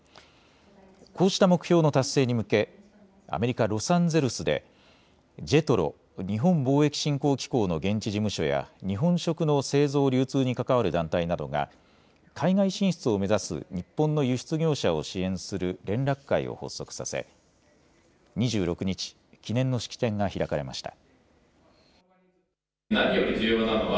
こうした目標の達成に向けアメリカ・ロサンゼルスでＪＥＴＲＯ・日本貿易振興機構の現地事務所や日本食の製造・流通に関わる団体などが海外進出を目指す日本の輸出業者を支援する連絡会を発足させ２６日、記念の式典が開かれました。